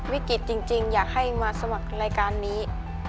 วิกฤตจริงอยากให้มาสมัครรายการนี้